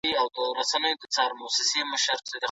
موږ په انټرنیټ کې د ساینس او ادب په اړه لولو.